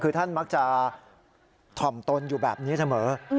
คือท่านมักจะถ่อมตนอยู่แบบนี้เสมอ